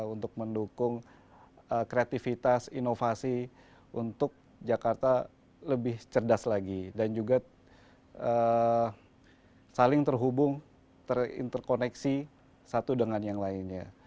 untuk mendukung kreativitas inovasi untuk jakarta lebih cerdas lagi dan juga saling terhubung terinterkoneksi satu dengan yang lainnya